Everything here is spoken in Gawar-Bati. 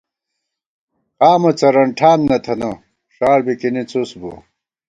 قامہ څرَنٹھان نہ تھنہ ، ݭاڑ بِکِنی څُس بُوَہ